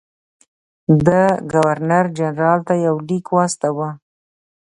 ده ګورنرجنرال ته یو لیک واستاوه.